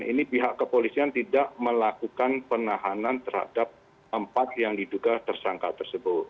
ini pihak kepolisian tidak melakukan penahanan terhadap empat yang diduga tersangka tersebut